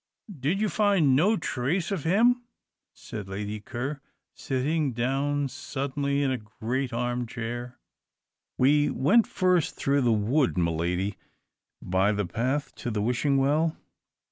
"Did you find no trace of him?" said Lady Ker, sitting down suddenly in the great armchair. "We went first through the wood, my Lady, by the path to the Wishing Well.